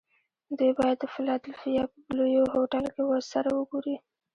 دوی باید د فلادلفیا په بلوویو هوټل کې سره و ګوري